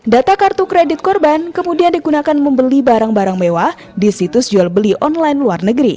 data kartu kredit korban kemudian digunakan membeli barang barang mewah di situs jual beli online luar negeri